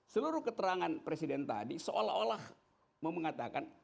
seluruh keterangan presiden tadi seolah olah memengatakan